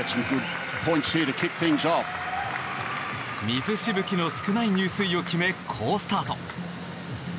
水しぶきの少ない入水を決め好スタート。